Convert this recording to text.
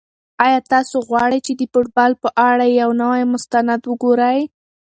آیا تاسو غواړئ چې د فوټبال په اړه یو نوی مستند وګورئ؟